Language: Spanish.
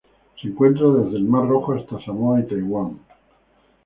Se encuentra desde el Mar Rojo hasta Samoa y Taiwán.